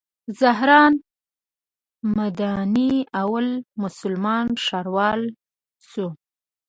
زهران ممداني اول مسلمان ښاروال شو.